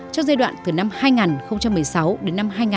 trong giai đoạn từ năm hai nghìn một mươi sáu đến năm hai nghìn hai mươi